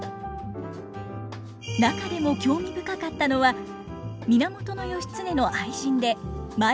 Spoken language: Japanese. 中でも興味深かったのは源義経の愛人で舞の名手静御前のこと。